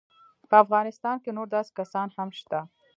په افغانستان کې نور داسې کسان هم شته.